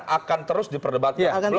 akan terus diperdebatkan